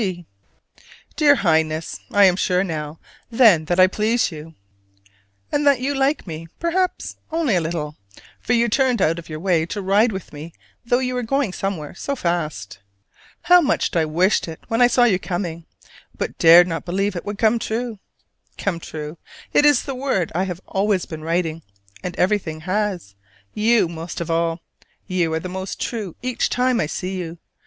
G. Dear Highness: I am sure now, then, that I please you, and that you like me, perhaps only a little: for you turned out of your way to ride with me though you were going somewhere so fast. How much I wished it when I saw you coming, but dared not believe it would come true! "Come true": it is the word I have always been writing, and everything has: you most of all! You are more true each time I see you.